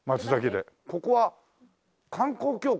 ここは観光協会？